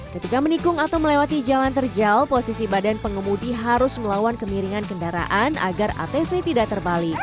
ketika menikung atau melewati jalan terjal posisi badan pengemudi harus melawan kemiringan kendaraan agar atv tidak terbalik